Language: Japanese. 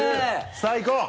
さぁ行こう！